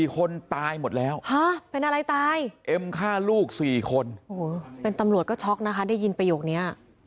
คนตายหมดแล้วเป็นอะไรตายเอ็มฆ่าลูก๔คนโอ้โหเป็นตำรวจก็ช็อกนะคะได้ยินประโยคนี้